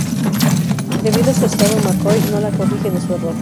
Debido a su estado, McCoy no la corrige de su error.